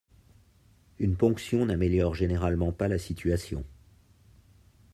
Une ponction n'améliore généralement pas la situation.